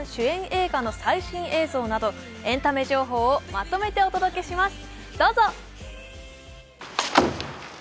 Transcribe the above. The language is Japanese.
映画の最新映像などエンタメ情報をまとめてお届けします。